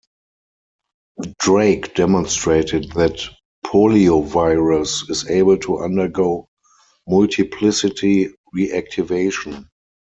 Drake demonstrated that poliovirus is able to undergo multiplicity reactivation.